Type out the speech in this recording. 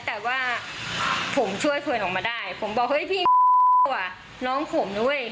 แต่ว่าผมช่วยเพื่อนออกมาได้ผมบอกเฮ้ยพี่กลัวน้องผมนะเว้ย